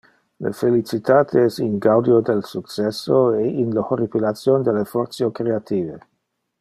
Le felicitate es in gaudio del successo e in le horripilation del effortio creative.